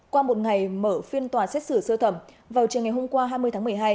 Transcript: qua một ngày mở phiên tòa xét xử sơ thẩm vào chiều ngày hôm qua hai mươi tháng một mươi hai